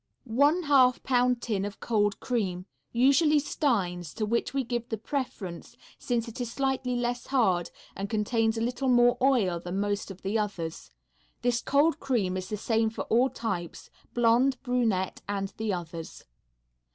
One half Pound Tin of Cold Cream. Usually Stein's, to which we give the preference, since it is slightly less hard and contains a little more oil than most of the others. This cold cream is the same for all types, blonde, brunette and the others.